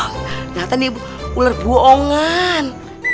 ternyata ini ular buongan